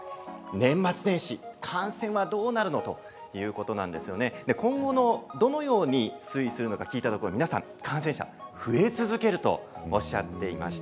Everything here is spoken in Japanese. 年末年始、感染はどうなるのかということなんですが今後どのように推移するのか聞いたところ皆さん感染者は増え続けるとおっしゃっていました。